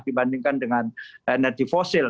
dibandingkan dengan energi fosil